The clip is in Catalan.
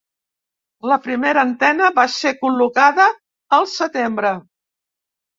La primera antena va ser col·locada al setembre.